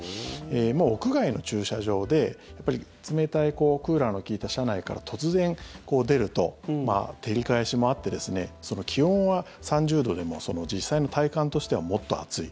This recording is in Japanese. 屋外の駐車場で冷たいクーラーの利いた車内から突然出ると照り返しもあって気温は３０度でも実際の体感としてはもっと暑い。